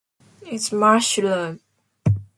It's mushroom.